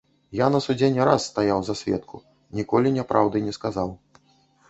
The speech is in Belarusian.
Я на судзе не раз стаяў за сведку, ніколі няпраўды не сказаў.